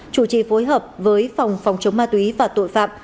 chủ trì phối hợp với phòng phòng chống ma túy và tội phạm